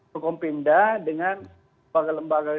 pemindah dengan lembaga lembaga